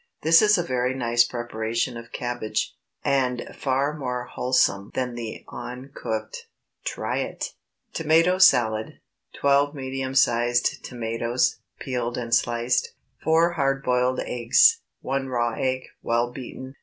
This is a very nice preparation of cabbage, and far more wholesome than the uncooked. Try it! TOMATO SALAD. ✠ 12 medium sized tomatoes, peeled and sliced. 4 hard boiled eggs. 1 raw egg, well beaten.